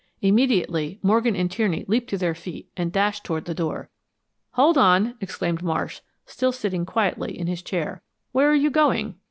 Immediately, Morgan and Tierney leaped to their feet and dashed toward the door. "Hold on!" exclaimed Marsh, still sitting quietly in his chair, "Where are you going?"